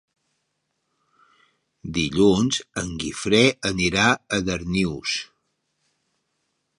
Dilluns en Guifré anirà a Darnius.